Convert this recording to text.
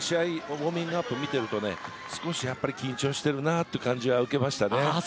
ウォーミングアップを見ていると少し緊張しているなという感じは受けました。